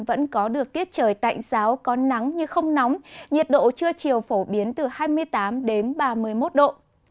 vẫn có được tiết trời tạnh giáo có nắng nhưng không nóng nhiệt độ trưa chiều phổ biến từ hai mươi tám đến ba mươi một độ